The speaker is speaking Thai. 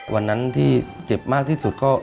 วันนั้นที่เจ็บมากที่สุดก็